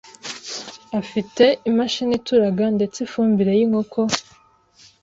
afite imashini ituraga ndetse ifumbire y’inkoko